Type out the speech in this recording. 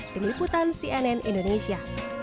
peniputan cnn indonesia